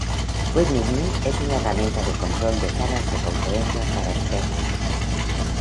Web-MeetMe es una herramienta de control de salas de conferencia para Asterisk.